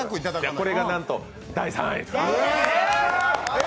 これがなんと第３位。